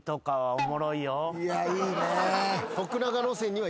いやいいね。